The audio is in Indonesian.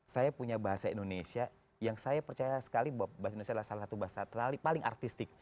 saya punya bahasa indonesia yang saya percaya sekali bahwa bahasa indonesia adalah salah satu bahasa atrali paling artistik